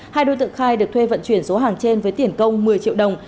hai đối tượng khai được thuê vận chuyển số hàng trên với tiền công một mươi triệu đồng